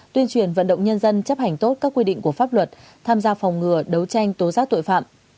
tuyên truyền vận động nhân dân chấp hành tốt các quy định của pháp luật tham gia phòng ngừa đấu tranh tố giác tội phạm